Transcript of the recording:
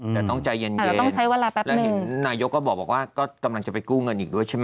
แต่ต้องใจเย็นแล้วเห็นนายก็บอกว่ากำลังจะไปกู้เงินอีกด้วยใช่ไหม